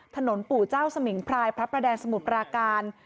ปู่เจ้าสมิงพรายพระประแดงสมุทรปราการ